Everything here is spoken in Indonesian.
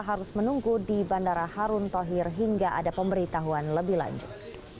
harus menunggu di bandara harun tohir hingga ada pemberitahuan lebih lanjut